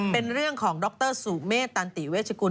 เป็นเรื่องของดรสุเมษตันติเวชกุล